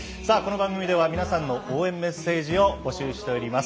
この番組では皆さんの応援メッセージを募集しております。